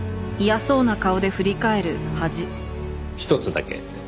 ひとつだけ。